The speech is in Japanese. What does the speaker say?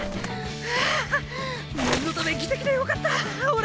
ああ念のため着てきてよかった俺。